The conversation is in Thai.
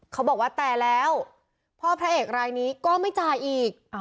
เขาบอกว่าแต่แล้วพ่อพระเอกรายนี้ก็ไม่จ่ายอีก